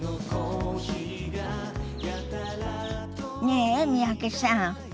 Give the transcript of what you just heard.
ねえ三宅さん。